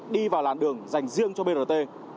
đi vào làn đường dành riêng cho brt